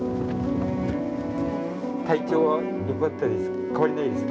体調はよかったです？